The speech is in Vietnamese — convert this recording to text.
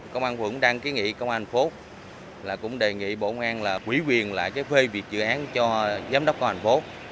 công an vững đăng ký nghị công an phốt cũng đề nghị bộ công an quỷ quyền lại phê việc dự án cho giám đốc công an phốt